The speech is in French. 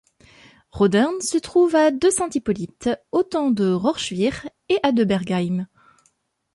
Rodern se trouve à de Saint-Hippolyte, autant de Rorschwihr et à de Bergheim.